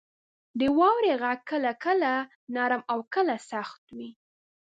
• د واورې غږ کله کله نرم او کله سخت وي.